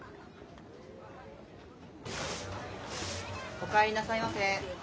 お帰りなさいませ。